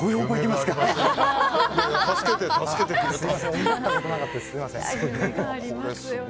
すみません。